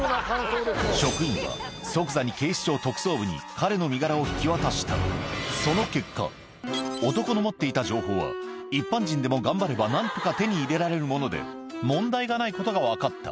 職員は即座にその結果男の持っていた情報は一般人でも頑張れば何とか手に入れられるもので問題がないことが分かった